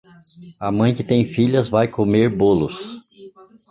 A mãe que tem filhas vai comer bolos.